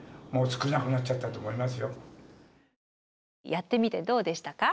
やってみてどうでしたか？